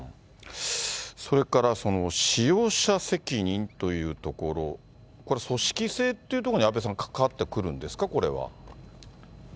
それから使用者責任というところ、これは組織性っていうところに阿部さん、関わってくるんですか、これは。